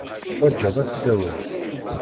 Teḥwajeḍ ad tdawiḍ.